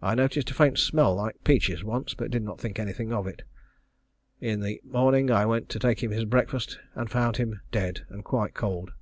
I noticed a faint smell like peaches once, but did not think anything of it. In the morning I went in to take him his breakfast, and found him dead and quite cold.